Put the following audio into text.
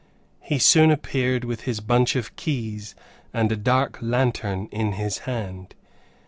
He soon appeared with his bunch of keys and a dark lantern in his hand.